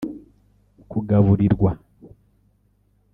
kugaburirwa